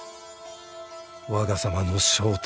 わが様の正体